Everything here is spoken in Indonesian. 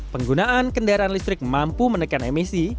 penggunaan kendaraan listrik mampu menekan emisi